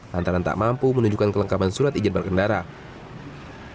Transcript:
lantaran tak mampu menunjukkan kelengkapan surat ijadbar kendaraan